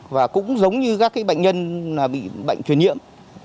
và cũng giống như các bệnh nhân bị bệnh truyền nhiễm